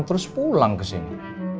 terus pulang ke sini